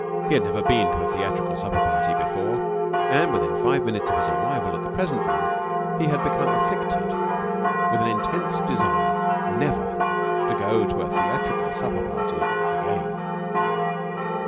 He had never been to a theatrical supper party before, and within five minutes of his arrival at the present one he had become afflicted with an intense desire never to go to a theatrical supper party again.